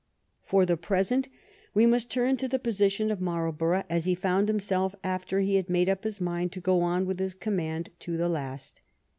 For the present we must turn to the position of Marlborough as he found himself after he had made up his mind to go on with his command to the last.